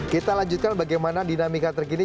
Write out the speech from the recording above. kita lanjutkan bagaimana dinamika terkini